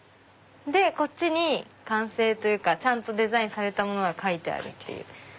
こっちに完成というかデザインされたものが描いてあるっていう。